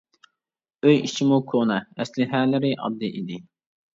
ئۆي ئىچىمۇ كونا، ئەسلىھەلىرى ئاددىي ئىدى.